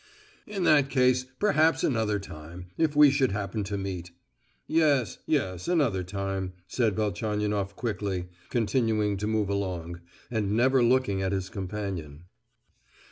"In that case, perhaps another time—if we should happen to meet." "Yes, yes, another time," said Velchaninoff quickly, continuing to move along, and never looking at his companion.